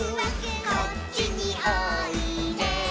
「こっちにおいで」